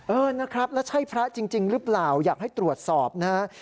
เออนะครับแล้วใช่พระจริงหรือเปล่าอยากให้ตรวจสอบนะฮะ